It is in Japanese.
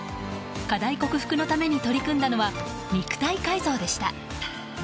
課題克服のために取り組んだのは肉体改造でした。